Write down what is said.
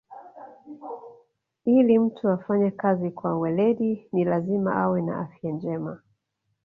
Ili mtu afanye kazi kwa weledi ni lazima awe na afya njema